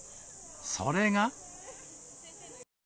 それが。